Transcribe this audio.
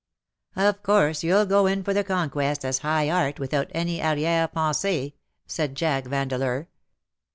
'' Of course you'll go in for the conquest as high art, without any aiTiere pe7isee/' said Jack Yaudeleur.